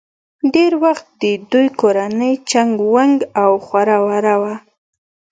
ډېر وخت د دوي کورنۍ چنګ ونګ او خوره وره وه